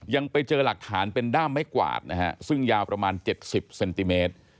ยังไปเจอหลักฐานเป็นด้ามไม้กวาดนะฮะซึ่งยาวประมาณ๗๐เซนติเมตร